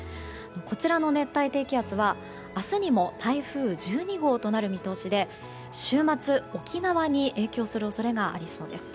こちらの熱帯低気圧は明日にも台風１２号となる見通しで週末、沖縄に影響する恐れがありそうです。